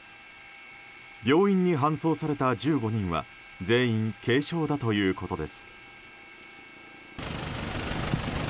病院に搬送された１５人は全員軽傷だということです。